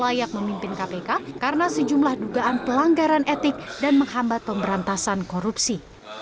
layak memimpin kpk karena sejumlah dugaan pelanggaran etik dan menghambat pemberantasan korupsi